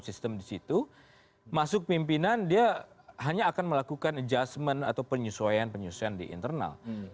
sistem di situ masuk pimpinan dia hanya akan melakukan adjustment atau penyesuaian penyesuaian di internal